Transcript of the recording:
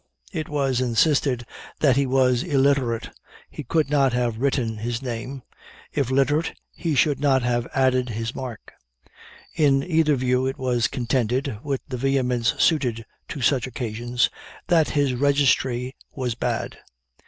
It was insisted that if he was illiterate, he could not have written his name if literate, he should not have added his mark; in either view it was contended, with the vehemence suited to such occasions, that his registry was bad.